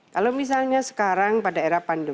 kalau misalnya ini ada penguatan penguatan yang berbeda